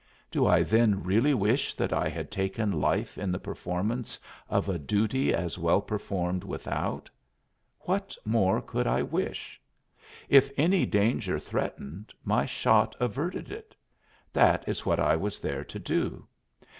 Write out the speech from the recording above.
Do I then really wish that I had taken life in the performance of a duty as well performed without? What more could I wish? If any danger threatened, my shot averted it; that is what I was there to do.